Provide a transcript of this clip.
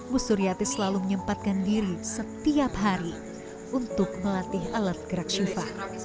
bu suryati selalu menyempatkan diri setiap hari untuk melatih alat gerak syifa